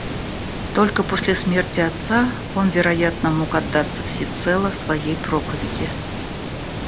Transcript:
Только после смерти отца он, вероятно, мог отдаться всецело своей проповеди.